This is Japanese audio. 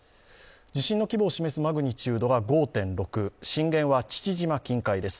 地震の規模を示すマグニチュードが５．６、震源は父島近海です。